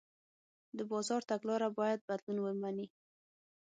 د بازار تګلاره باید بدلون ومني.